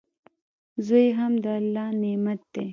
زوی هم د الله نعمت دئ.